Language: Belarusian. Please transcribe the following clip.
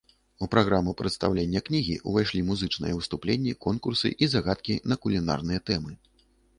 У праграму прадстаўлення кнігі ўвайшлі музычныя выступленні, конкурсы і загадкі на кулінарныя тэмы.